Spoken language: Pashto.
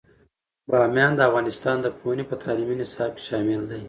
بامیان د افغانستان د پوهنې په تعلیمي نصاب کې شامل دی.